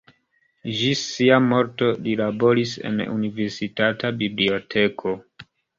Ĝis sia morto li laboris en Universitata Biblioteko.